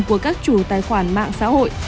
của các chủ tài khoản mạng xã hội